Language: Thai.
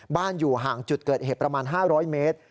อยู่ห่างจุดเกิดเหตุประมาณ๕๐๐เมตร